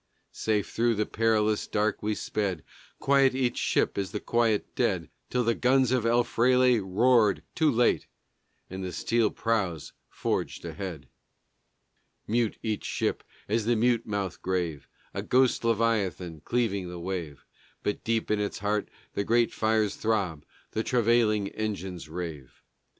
Safe through the perilous dark we sped, Quiet each ship as the quiet dead, Till the guns of El Fraile roared too late, And the steel prows forged ahead. Mute each ship as the mute mouth grave, A ghost leviathan cleaving the wave; But deep in its heart the great fires throb, The travailing engines rave.